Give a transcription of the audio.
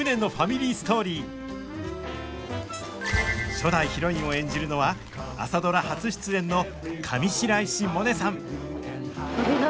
初代ヒロインを演じるのは「朝ドラ」初出演の上白石萌音さん！